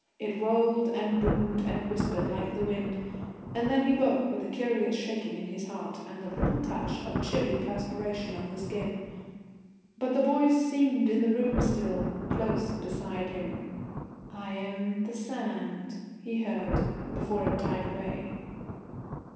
It rolled and boomed and whispered like the wind. And then he woke, with a curious shaking in his heart, and a little touch of chilly perspiration on the skin. But the voice seemed in the room still close beside him: "I am the Sand," he heard, before it died away.